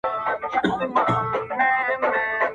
په ډېر جبر په خواریو مي راتله دي،